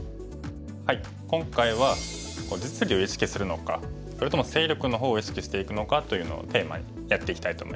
今回は実利を意識するのかそれとも勢力の方を意識していくのかというのをテーマにやっていきたいと思います。